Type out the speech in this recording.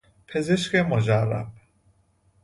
پزشک مجرب